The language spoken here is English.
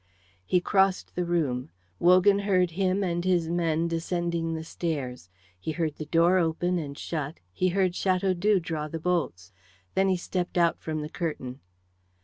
He crossed the room. Wogan heard him and his men descending the stairs. He heard the door open and shut; he heard Chateaudoux draw the bolts. Then he stepped out from the curtain.